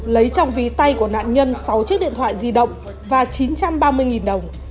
lấy trong ví tay của nạn nhân sáu chiếc điện thoại di động và chín trăm ba mươi đồng